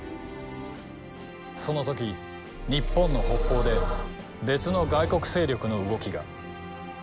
その時日本の北方で別の外国勢力の動きが。